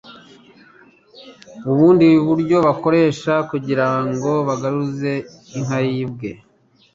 Ubundi buryo bakoresha kugirango bagaruza inka yibwe,